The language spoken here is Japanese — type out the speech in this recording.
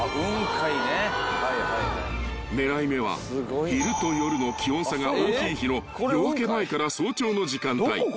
［狙い目は昼と夜の気温差が大きい日の夜明け前から早朝の時間帯］